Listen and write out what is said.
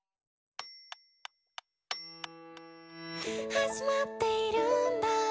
「始まっているんだ